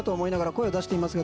声を出していますが